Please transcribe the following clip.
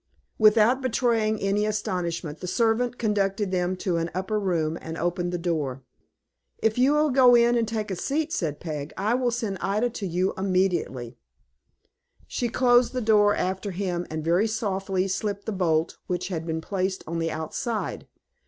Without betraying any astonishment, the servant conducted them to an upper room, and opened the door. "If you will go in and take a seat," said Peg, "I will send Ida to you immediately." She closed the door after him, and very softly slipped the bolt which had been placed on the outside.